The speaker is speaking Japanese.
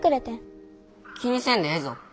気にせんでええぞ。